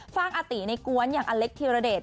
ฟังอาตีในกวนอย่างอเล็กธิรเดช